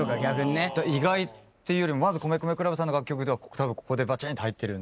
意外っていうよりまず米米ＣＬＵＢさんの楽曲ではここでバチンと入ってるんで。